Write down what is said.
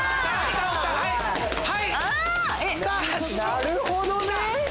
なるほどね！